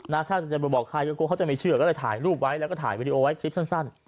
ถ้าจะไปบอกใครก็กลัวเขาจะไม่เชื่อก็เลยถ่ายรูปไว้แล้วก็ถ่ายวิดีโอไว้คลิปสั้น